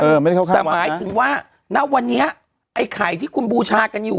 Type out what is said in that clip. เออไม่ได้เข้าข้างวัดน่ะแต่หมายถึงว่าณวันนี้ไอ้ไข่ที่คุณบูชากันอยู่อ่ะ